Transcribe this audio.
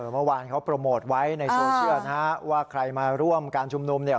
เมื่อวานเขาโปรโมทไว้ในโซเชียลนะฮะว่าใครมาร่วมการชุมนุมเนี่ย